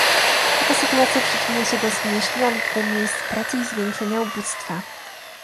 Taka sytuacja przyczynia się do zmniejszenia liczby miejsc pracy i zwiększenia ubóstwa